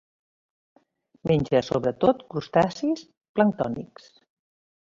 Menja sobretot crustacis planctònics.